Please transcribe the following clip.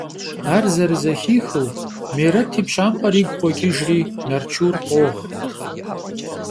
Ар зэрызэхихыу, Мерэт и пщампӀэр игу къокӀыжри Нарчур къогъ.